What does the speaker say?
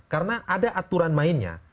karena ada aturan mainnya